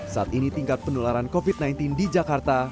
saat ini tingkat penularan covid sembilan belas di jakarta